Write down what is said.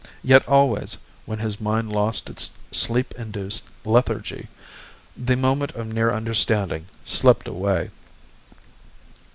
Yet always, when his mind lost its sleep induced lethargy, the moment of near understanding slipped away.